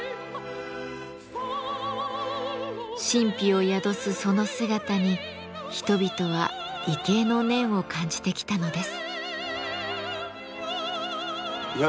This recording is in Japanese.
神秘を宿すその姿に人々は畏敬の念を感じてきたのです。